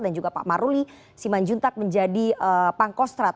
dan juga pak maruli siman juntak menjadi pangkostrat